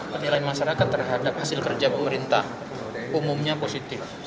penilaian masyarakat terhadap hasil kerja pemerintah umumnya positif